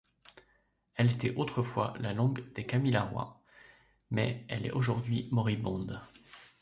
Elle était autrefois la langue des Kamilaroi, mais elle est aujourd'hui moribonde.